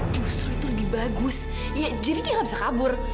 justru itu lebih bagus ya jadi dia nggak bisa kabur